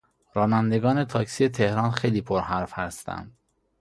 رانندگان تاکسی تهران خیلی پرحرف هستند.